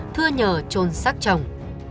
thừa nhờ trôn xác chồng